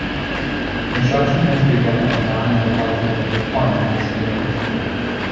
Construction has begun on lining the bottom of the pond with cement.